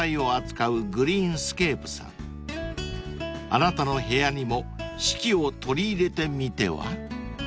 ［あなたの部屋にも四季を取り入れてみては？］